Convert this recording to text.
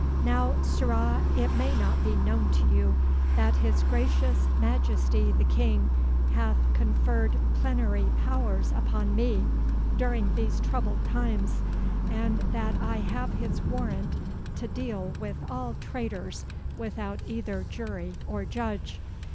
'Now, sirrah, it may not be known to you that his gracious Majesty the King hath conferred plenary powers upon me during these troubled times, and that I have his warrant to deal with all traitors without either jury or judge.